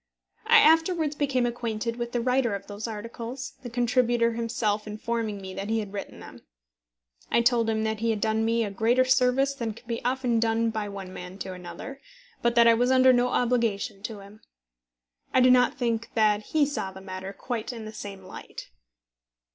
I afterwards became acquainted with the writer of those articles, the contributor himself informing me that he had written them. I told him that he had done me a greater service than can often be done by one man to another, but that I was under no obligation to him. I do not think that he saw the matter quite in the same light.